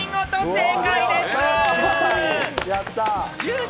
正解です！